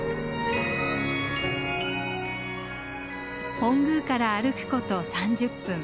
本宮から歩くこと３０分。